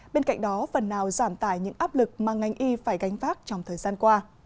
bên cạnh đó phần nào giảm tải những áp lực mà ngành y phải gánh phác trong thời gian qua